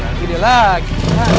dia lagi dia lagi